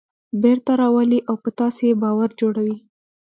بېرته راولي او په تاسې یې باور جوړوي.